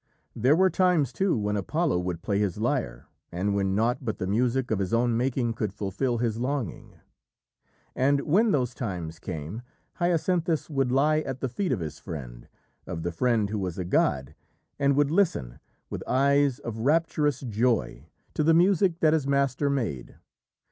There were times, too, when Apollo would play his lyre, and when naught but the music of his own making could fulfil his longing. And when those times came, Hyacinthus would lie at the feet of his friend of the friend who was a god and would listen, with eyes of rapturous joy, to the music that his master made.